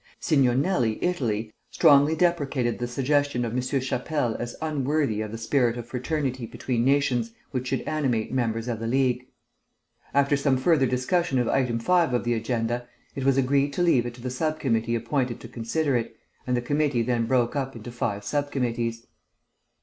"Signor Nelli (Italy) strongly deprecated the suggestion of M. Chapelle as unworthy of the spirit of fraternity between nations which should animate members of the League. "After some further discussion of Item 5 of the agenda, it was agreed to leave it to the sub committee appointed to consider it, and the committee then broke up into five sub committees."